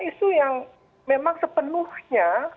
isu yang memang sepenuhnya